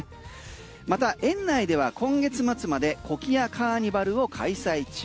また、園内では今月末までコキアカーニバルを開催中。